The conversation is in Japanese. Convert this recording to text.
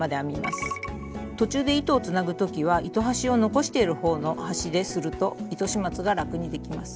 途中で糸をつなぐ時は糸端を残してるほうの端ですると糸始末が楽にできます。